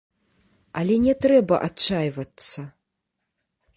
Але не трэба адчайвацца.